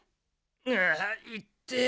ああいってえ！